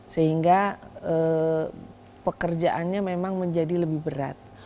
sehingga pekerjaannya memang menjadi lebih berat